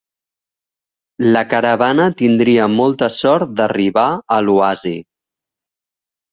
La caravana tindria molta sort d'arribar a l'oasi.